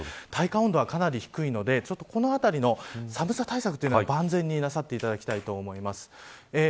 体感温度は、かなり低いのでこのあたりの寒さ対策は万全になさっていただきたいと思います。